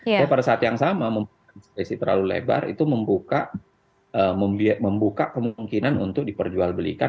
tapi pada saat yang sama memberikan sekresi terlalu lebar itu membuka kemungkinan untuk diperjualbelikan